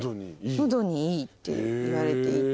喉にいいっていわれていて。